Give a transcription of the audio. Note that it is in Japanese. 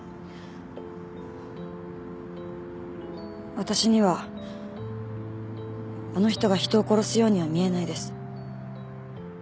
私にはあの人が人を殺すようには見えないです。